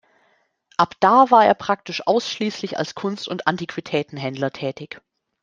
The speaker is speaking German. Ab da war er praktisch ausschließlich als Kunst- und Antiquitätenhändler tätig.